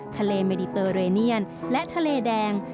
ทะเลเมดิเตอร์เรเนียนและทะเลแดง